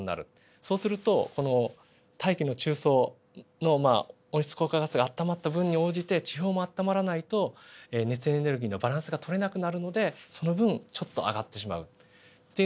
そうするとこの大気の中層の温室効果ガスがあったまった分に応じて地表もあったまらないと熱エネルギーのバランスが取れなくなるのでその分ちょっと上がってしまうっていうそのちょっとが１℃であったり。